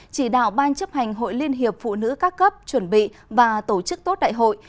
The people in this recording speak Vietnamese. chỉ đạo ban chấp hành hội liên hiệp phụ nữ các cấp chuẩn bị và tổ chức tốt đại hội